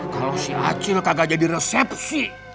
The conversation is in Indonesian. kalau si acil kagak jadi resepsi